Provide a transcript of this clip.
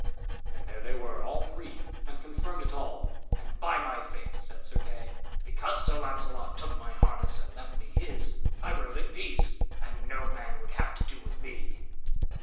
And there they were, all three, and confirmed it all "And, by my faith," said Sir Kay, "because Sir Launcelot took my harness and left me his, I rode in peace, and no man would have to do with me."